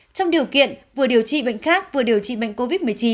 trong điều kiện vừa điều trị bệnh khác vừa điều trị bệnh covid một mươi chín